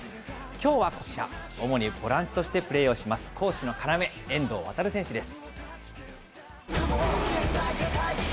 きょうはこちら、主にボランチとしてプレーします、攻守の要、遠藤航選手です。